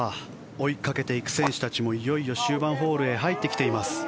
追いかけていく選手たちもいよいよ終盤ホールへ入ってきています。